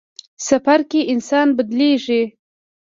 سفر کې انسان بدلېږي.